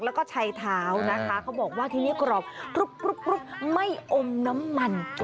แล้วก็ใช้เท้านะคะเขาบอกว่าทีนี้กรอบไม่อมน้ำมัน